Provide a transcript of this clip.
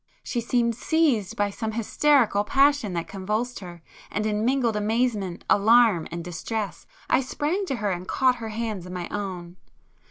She seemed seized by some hysterical passion that convulsed her, and in mingled amazement, alarm and distress, I sprang to her and caught her hands in my own.